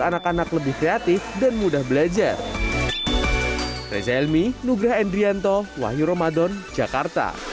anak anak lebih kreatif dan mudah belajar